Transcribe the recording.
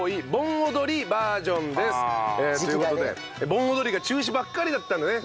盆踊りが中止ばっかりだったんでね。